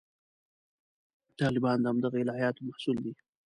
طالبان د همدغه الهیاتو محصول دي.